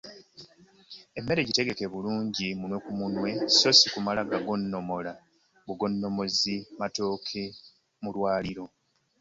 Emmere gitegeke bulungi munwe ku munwe so si kumala gagonnomola bugonnomozi matooke mu lwaliiro.